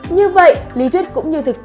như vậy lý thuyết cũng như thực phẩm